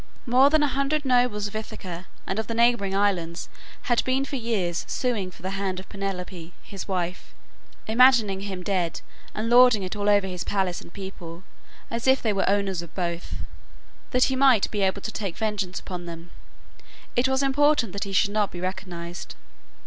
More than a hundred nobles of Ithaca and of the neighboring islands had been for years suing for the hand of Penelope, his wife, imagining him dead, and lording it over his palace and people, as if they were owners of both. That he might be able to take vengeance upon them, it was important that he should not be recognized.